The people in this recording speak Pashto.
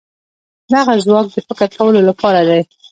دغه ځواک د فکر کولو لپاره دی.